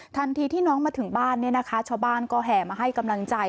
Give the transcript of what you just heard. ทันทีที่น้องมาถึงบ้านเนี่ยนะคะชาวบ้านก็แห่มาให้กำลังใจ